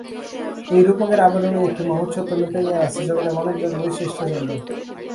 এই রূপকের আবরণে একটি মহৎ সত্য লুকাইয়া আছে, জগতে মানবজন্মই শ্রেষ্ঠ জন্ম।